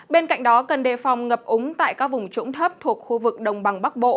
bên cạnh đó cần đề phòng ngập úng tại các vùng trũng thấp thuộc khu vực đồng bằng bắc bộ